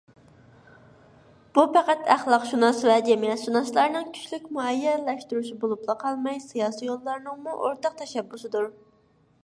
بۇ پەقەت ئەخلاقشۇناس ۋە جەمئىيەتشۇناسلارنىڭ كۈچلۈك مۇئەييەنلەشتۈرۈشى بولۇپلا قالماي سىياسىيونلارنىڭمۇ ئورتاق تەشەببۇسىدۇر.